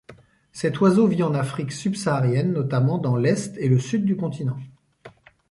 Cet oiseau vit en Afrique subsaharienne, notamment dans l'est et le sud du continent.